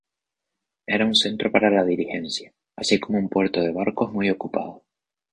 Era un centro para la diligencia, así como un puerto de barcos muy ocupado.